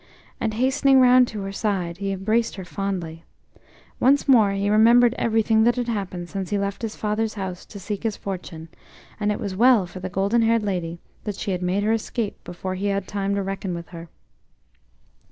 And hastening round to her side, he embraced her fondly. Once more he remembered everything that had happened since he left his father's house to seek his fortune, and it was well for the golden haired lady that she made her escape before he had time to reckon with her.